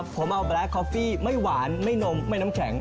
ผมเอาแบล็คคอฟฟี่ไม่หวานไม่นมไม่น้ำแข็ง